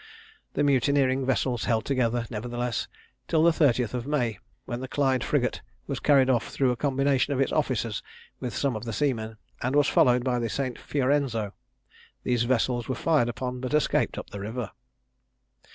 The mutineering vessels held together, nevertheless, till the 30th of May, when the Clyde frigate was carried off through a combination of its officers with some of the seamen, and was followed by the St. Fiorenzo. These vessels were fired upon, but escaped up the river.